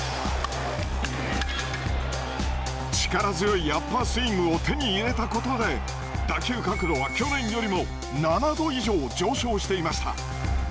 力強いアッパースイングを手に入れたことで打球角度は去年よりも７度以上上昇していました。